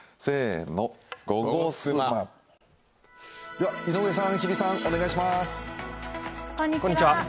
では、井上さん、日比さんお願いします。